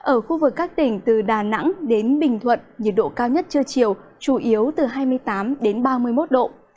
ở khu vực các tỉnh từ đà nẵng đến bình thuận nhiệt độ cao nhất trưa chiều chủ yếu từ hai mươi tám đến ba mươi một độ